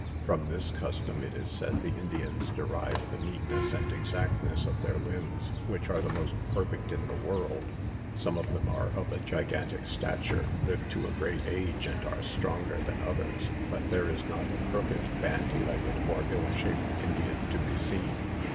From this custom, it is said, the Indians derive the neatness and exactness of their limbs, which are the most perfect in the world. Some of them are of a gigantic stature, live to a great age, and are stronger than others; but there is not a crooked, bandy legged, or ill shaped, Indian to be seen.